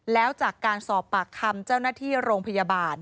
แล้วจากการสอบปากคำเจ้าหน้าที่โรงพยาบาล